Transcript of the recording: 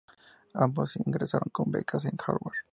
Ambos ingresaron, con becas en Harvard.